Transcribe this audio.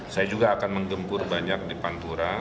saya juga akan menggempur banyak di pantura